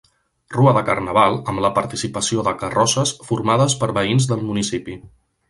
Rua de carnaval, amb la participació de carrosses formades per veïns del municipi.